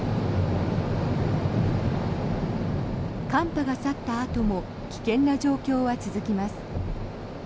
寒波が去ったあとも危険な状況は続きます。